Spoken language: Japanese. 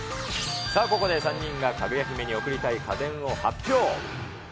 さあ、ここ３人がかぐや姫に贈りたい家電を発表。